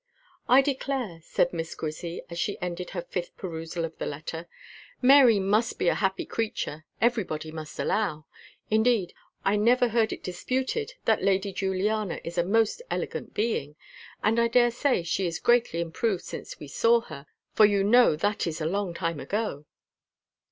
"I declare," said Miss Grizzy, as she ended her fifth perusal of the letter, "Mary must be a happy creature, everybody must allow; indeed I never heard it disputed that Lady Juliana is a most elegant being; and I daresay she is greatly improved since we saw her, for you know that is a long time ago."